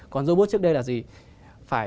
còn robot trước đây là gì